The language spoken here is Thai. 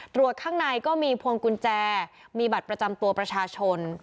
ข้างในก็มีพวงกุญแจมีบัตรประจำตัวประชาชน